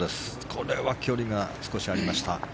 これは距離が少しありました。